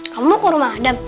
kamu mau ke rumah adam